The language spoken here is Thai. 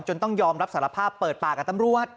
ต้องยอมรับสารภาพเปิดปากกับตำรวจ